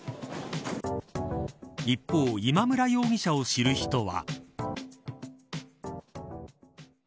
一方、今村容疑者を知る人は。